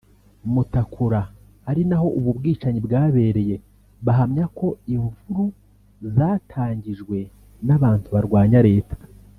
Mutakura ari naho ubu bwicanyi bwabereye bahamya ko imvuru zatangijwe n’abantu barwanya Leta